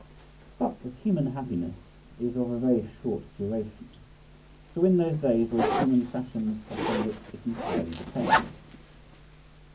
But as human happiness is of a very short duration, so in those days were human fashions, upon which it entirely depends.